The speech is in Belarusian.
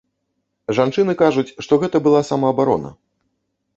Жанчыны кажуць, што гэта была самаабарона.